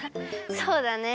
そうだね。